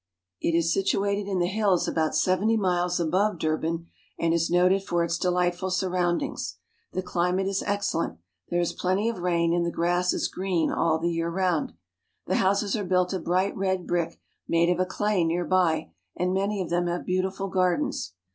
It is situated in the hills about seventy miles above Durban, and is noted for its delightful surroundings. The climate is ex cellent ; there is plenty of rain, and the grass is green all the year round. The houses are built of bright red brick made of a clay near by, and many of them have beautiful gardens.